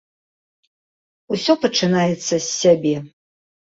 Усё пачынаецца з сябе.